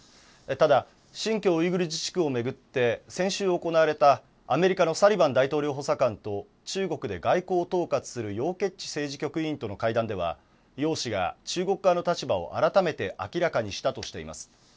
ただ新疆ウイグル自治区を巡って先週行われたアメリカのサリバン大統領補佐官と中国で外交を統括する楊潔チ政治局委員との会談では楊氏が中国側の立場を改めて明らかにしたとしています。